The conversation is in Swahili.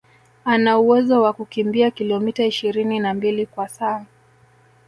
Ana uwezo wa kukimbia kilometa ishirini na mbili kwa saa